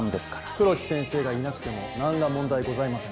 黒木先生がいなくても何ら問題ございません。